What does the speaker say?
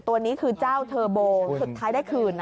ตัวนี้คือเจ้าเทอร์โบสุดท้ายได้คืนนะ